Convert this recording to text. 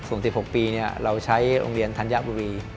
ส่วน๑๖ปีเราใช้โรงเรียนธัญบุรี